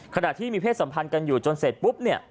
ขณะที่มีเพศสัมพันธ์กันอยู่จนเสร็จปุ๊บเนี่ย